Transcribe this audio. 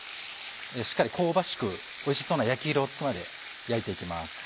しっかり香ばしくおいしそうな焼き色つくまで焼いて行きます。